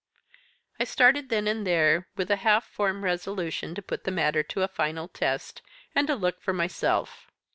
I started then and there with a half formed resolution to put the matter to a final test, and to look for myself.